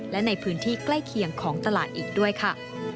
และในพื้นที่ใกล้เคียงของตลาดอีกด้วยค่ะ